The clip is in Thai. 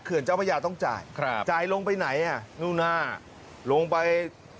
เจ้าพระยาต้องจ่ายครับจ่ายลงไปไหนอ่ะนู่นหน้าลงไป